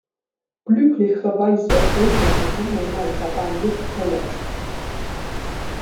Glücklicherweise wurde der junge Mann dabei nicht verletzt.